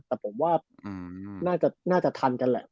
แต่ผมว่าน่าจะทันกันแหละ